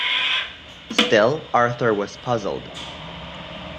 Still Arthur was puzzled.